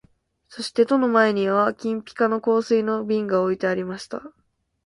そして戸の前には金ピカの香水の瓶が置いてありました